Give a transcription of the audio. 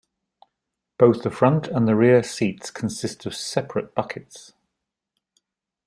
Both the front and the rear seats consist of separate buckets.